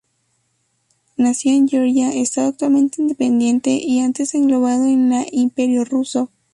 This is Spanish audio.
Nació en Georgia, estado actualmente independiente y antes englobado en la Imperio ruso.